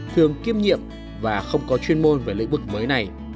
thường kiêm nhiệm và không có chuyên môn về lĩnh vực mới này